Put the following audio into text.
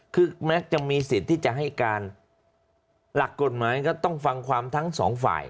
คือแม้จะมีสิทธิ์ที่จะให้การหลักกฎหมายก็ต้องฟังความทั้งสองฝ่าย